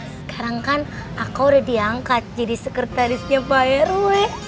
sekarang kan aku udah diangkat jadi sekretarisnya pak rw